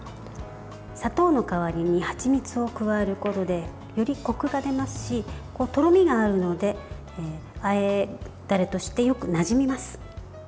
砂糖の代わりにはちみつを加えることでより、こくが出ますしとろみがあるのであえダレとしてよくなじみます。